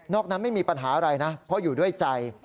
อกนั้นไม่มีปัญหาอะไรนะเพราะอยู่ด้วยใจ